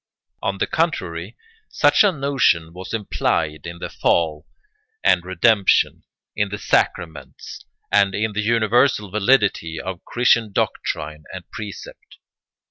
On the contrary, such a notion was implied in the Fall and Redemption, in the Sacraments, and in the universal validity of Christian doctrine and precept.